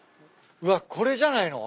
うわこれじゃないの？